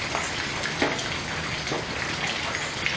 พร้อมทุกสิทธิ์